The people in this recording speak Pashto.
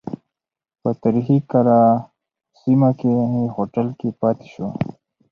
په تاریخی ګلاټا سیمه کې یې هوټل کې پاتې شو.